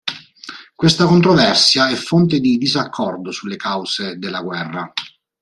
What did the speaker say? Questa controversia è fonte di disaccordo sulle cause della guerra.